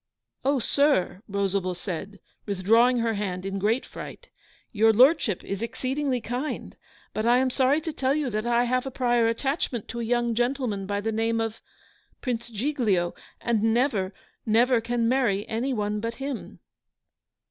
'Oh, sir!' Rosalba said, withdrawing her hand in great fright. 'Your Lordship is exceedingly kind; but I am sorry to tell you that I have a prior attachment to a young gentleman by the name of Prince Giglio and never never can marry any one but him.